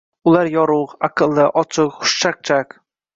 Ular yorugʻ, aqlli, ochiq, xushchaqchaq.